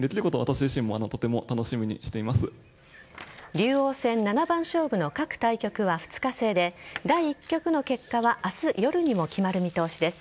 竜王戦七番勝負の各対局は二日制で第１局の結果は明日夜にも決まる見通しです。